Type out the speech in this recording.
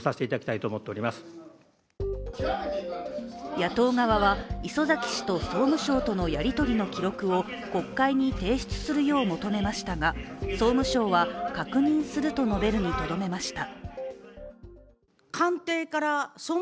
野党側は、礒崎氏と総務省とのやり取りの記録を国会に提出するよう求めましたが総務省は確認すると述べるにとどめました。